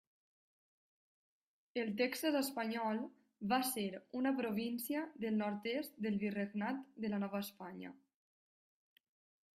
El Texas Espanyol va ser una província del nord-est del Virregnat de la Nova Espanya.